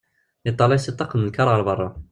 Yeṭṭalay seg ṭṭaq n lkar ɣer berra.